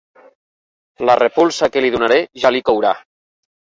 La repulsa que li donaré ja li courà.